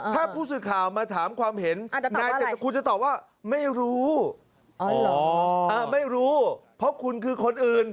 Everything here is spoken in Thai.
ถ้าผู้สื่อข่าวมาถามความเห็นนายเจษกุลจะตอบว่าไม่รู้ไม่รู้เพราะคุณคือคนอื่น